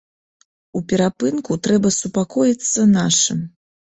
У перапынку трэба супакоіцца нашым.